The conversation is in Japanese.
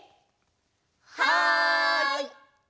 はい！